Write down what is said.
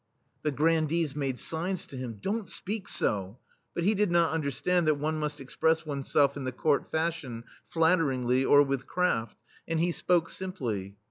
The grandees made signs to him, "Don't speak so! but he did not understand that one must express one's self in the Court fashion, flatteringly, or with craft, and he spoke simply.